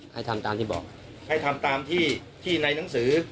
ให้ทำตามที่บอกให้ทำตามที่ที่ในหนังสือ